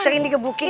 sering digebukin ya